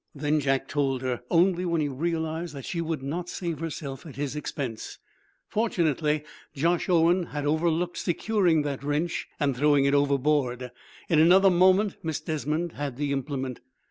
Then Jack told her, only when he realized that she would not save herself at his expense. Fortunately, Josh Owen had overlooked securing that wrench and throwing it overboard. In another moment Miss Desmond had the implement.